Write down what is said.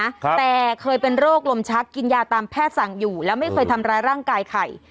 แต่เคยเป็นโรคลมชักกินยาตามแพทย์สั่งอยู่แล้วไม่เคยทำร้ายร่างกายใคร